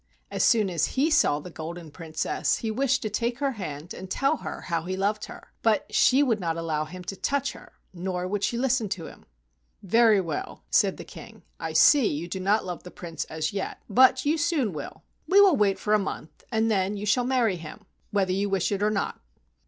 As soon as he saw the Golden Princess he wished to take her hand and tell her how he loved her, but she would not allow him to touch her nor would she listen to him. "Very well," said the King. "I see you do not love the Prince as yet, but you soon will. We will wait for a month, and then you shall marry him whether you wish it or not."